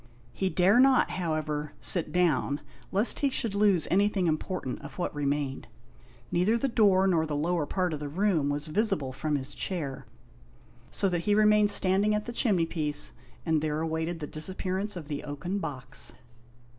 He dare not, however, sit down, lest he should lose anything important of what remained. Neither the door nor the lower part of the room was visible from his chair, so that he remained standing at the chimney piece, and there awaited the disappearance of the oaken box.